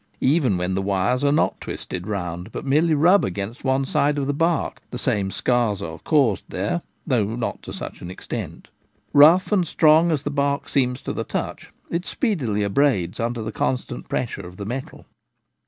Even when the wires are not twisted round, but merely rub against one side of the bark, the same scars are caused there, though not to such an extent Rough and strong as the bark seems to the touch, it speedily abrades under the con stant pressure of the metal.